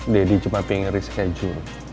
daddy cuma pengen risk aja